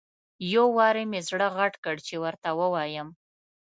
یو وارې مې زړه غټ کړ چې ورته ووایم.